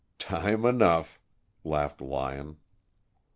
"Time enough," laughed Lyon.